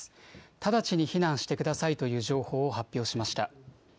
直ちに避難してくださいという情報を発表しました。